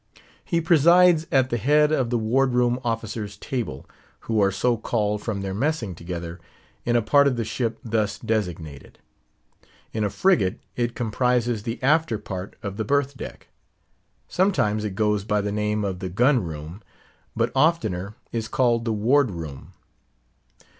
He presides at the head of the Ward room officers' table, who are so called from their messing together in a part of the ship thus designated. In a frigate it comprises the after part of the berth deck. Sometimes it goes by the name of the Gun room, but oftener is called the Ward room.